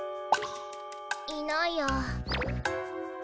いないや。